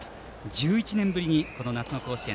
１１年ぶりの夏の甲子園。